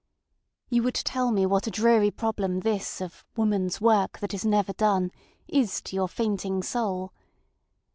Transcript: You would tell me what a dreary problem this of ŌĆ£womanŌĆÖs work that is never doneŌĆØ is to your fainting soul.